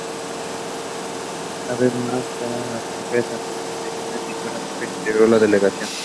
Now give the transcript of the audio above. Una vez más, como en las anteriores ediciones, ninguna mujer integró la delegación.